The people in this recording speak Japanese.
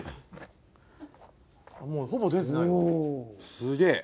すげえ。